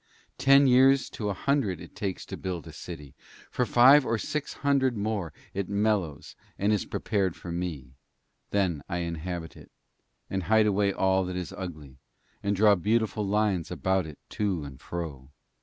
Ten years to a hundred it takes to build a city, for five or six hundred more it mellows, and is prepared for me; then I inhabit it, and hide away all that is ugly, and draw beautiful lines about it to and fro.